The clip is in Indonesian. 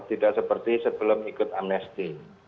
tidak seperti sebelum ikut amnesti